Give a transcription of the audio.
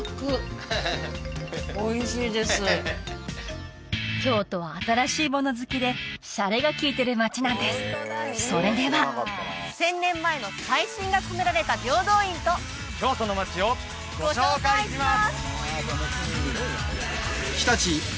・ハハハおいしいです京都は新しいもの好きでシャレが効いてる町なんですそれでは１０００年前の最新が込められた平等院と京都の町をご紹介します！